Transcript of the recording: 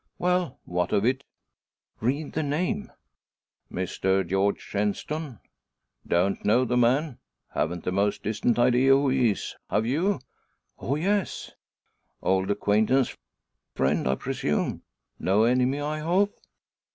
"Well; what of it?" "Read the name!" "Mr George Shenstone. Don't know the man. Haven't the most distant idea who he is. Have you?" "O, yes." "Old acquaintance; friend, I presume? No enemy, I hope?"